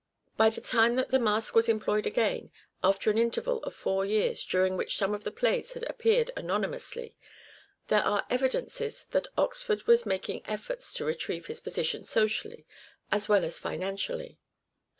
By the time siderations. that the mask was employed again, after an interval of four years during which some of the plays had appeared anonymously, there are evidences that Oxford was making efforts to retrieve his position socially as well as financially.